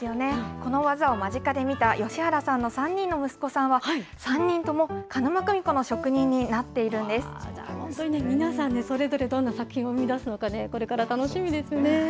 この技を間近で見た吉原さんの三人の息子さんは、三人とも鹿沼組皆さんね、それぞれどんな作品を生み出すのか、これから楽しみですね。